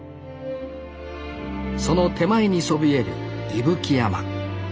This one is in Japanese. その手前にそびえる伊吹山。